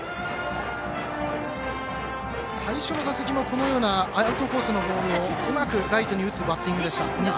最初の打席もアウトコースのボールをうまくライトに打つバッティングでした、鬼塚。